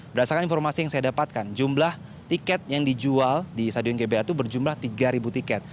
berdasarkan informasi yang saya dapatkan jumlah tiket yang dijual di stadion gbh itu berjumlah tiga tiket